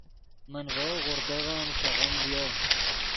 من ڤؤ غوردغیم ݰیغیم ڤیو